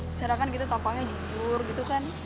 misalkan kita tampangnya jujur gitu kan